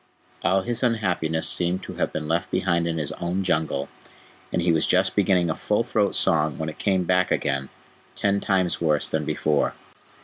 All his unhappiness seemed to have been left behind in his own Jungle, and he was just beginning a full throat song when it came back again ten times worse than before.